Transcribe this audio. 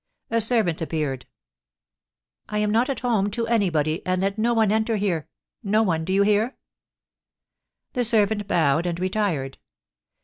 A servant appeared. "I am not at home to anybody, and let no one enter here, no one, do you hear?" The servant bowed and retired.